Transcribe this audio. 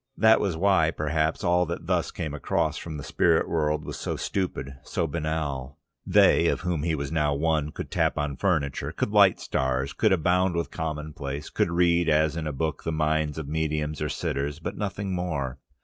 That was why, perhaps, all that thus came across from the spirit world, was so stupid, so banal. They, of whom he now was one, could tap on furniture, could light stars, could abound with commonplace, could read as in a book the mind of medium or sitters, but nothing more.